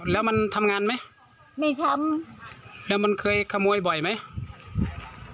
แล้วมันทำงานไหมไม่ทำแล้วมันเคยขโมยบ่อยไหม